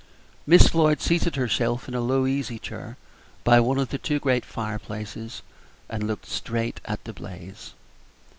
Miss Floyd seated herself in a low easy chair by one of the two great fireplaces, and looked straight at the blaze.